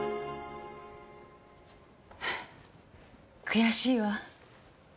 悔しいわ。